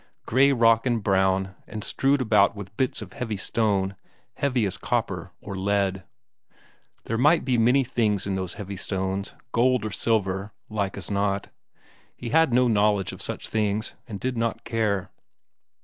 Grey rock and brown, and strewed about with bits of heavy stone, heavy as copper or lead. There might be many things in those heavy stones; gold or silver, like as not he had no knowledge of such things, and did not care.